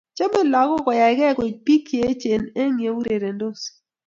Chamei lagok koyaegei ko bik che echen eng yeurerendos